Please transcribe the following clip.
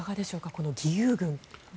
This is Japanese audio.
この義勇軍。